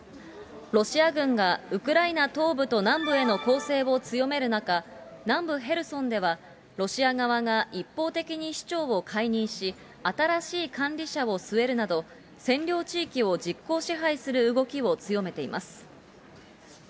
ロシア軍がウクライナ東部と南部への攻勢を強める中、南部ヘルソンではロシア側が一方的に市長を解任し、新しい管理者を据えるなど、占領地域を実効支配する動きを強めています。